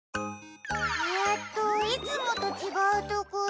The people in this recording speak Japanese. えっといつもとちがうところ。